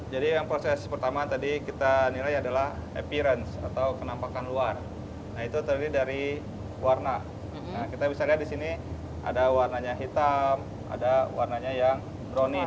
jadi yang proses pertama tadi kita nilai adalah appearance atau kenampakan luar itu terdiri dari warna kita bisa lihat disini ada warnanya hitam ada warnanya yang brown